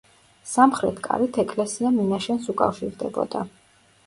სამხრეთ კარით ეკლესია მინაშენს უკავშირდებოდა.